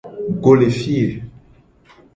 Go le fi ye.